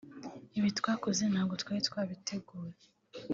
Ibi twakoze ntabwo twari twabiteguye